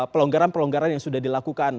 pelonggaran pelonggaran yang sudah dilakukan